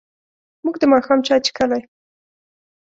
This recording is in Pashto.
موږ د ماښام چای څښلی.